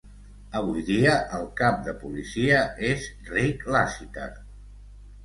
Avui dia el cap de policia és Rick Lassiter.